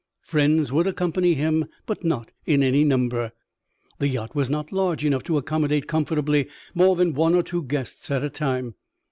Friends would accompany him, but not in any number. The yacht was not large enough to accommodate comfortably more than one or two guests at a time.